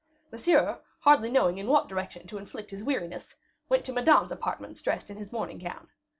Monsieur, hardly knowing in what direction to inflict his weariness, went to Madame's apartments dressed in his morning gown.